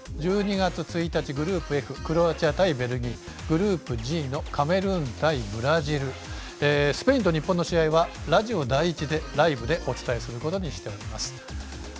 １２月１日、グループＦクロアチア対ベルギーグループＧのカメルーン対ブラジルスペインと日本の試合はラジオ第１でライブでお伝えすることにしています。